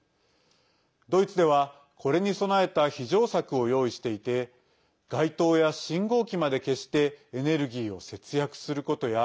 ドイツでは、これに備えた非常策を用意していて街灯や信号機まで消してエネルギーを節約することや